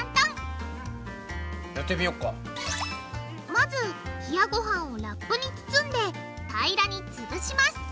まず冷やごはんをラップに包んで平らにつぶします